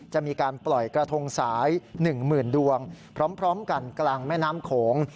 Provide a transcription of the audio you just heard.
จะมีการปล่อยกระทงสาย๑๐๐๐ดวงพร้อมกันกลางแม่น้ำโขง